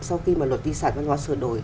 sau khi mà luật di sản văn hóa sửa đổi